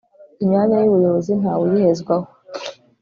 imyanya y'ubuyobozi nta wuyihezwaho